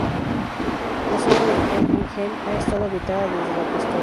La zona de Ingelheim ha estado habitada desde la prehistoria.